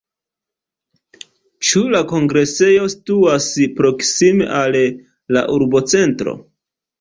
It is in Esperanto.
Ĉu la kongresejo situas proksime al la urbocentro?